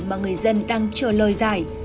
mà người dân đang chờ lời dài